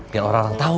biar orang orang tahu